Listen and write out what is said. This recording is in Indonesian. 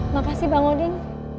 makasih bang odin